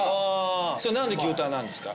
何で牛タンなんですか？